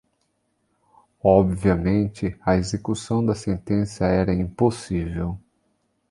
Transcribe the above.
Obviamente, a execução da sentença era impossível.